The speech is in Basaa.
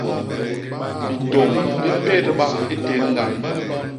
Bitôñ bi mbédba i tén ñgañ.